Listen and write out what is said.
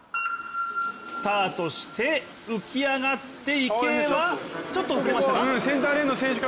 スタートして、浮き上がって池江はちょっと遅れましたか？